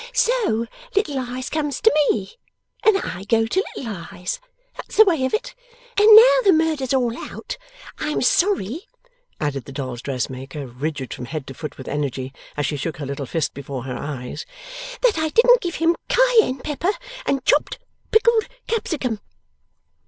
So, Little Eyes comes to me, and I go to Little Eyes. That's the way of it. And now the murder's all out, I'm sorry,' added the dolls' dressmaker, rigid from head to foot with energy as she shook her little fist before her eyes, 'that I didn't give him Cayenne pepper and chopped pickled Capsicum!